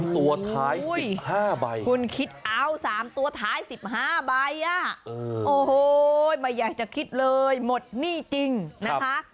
ตัวท้าย๕ใบคุณคิดเอา๓ตัวท้าย๑๕ใบโอ้โหไม่อยากจะคิดเลยหมดหนี้จริงนะคะ